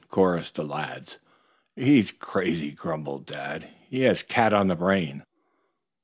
chorused the lads. "He's crazy," grumbled Dad. "He has cat on the brain."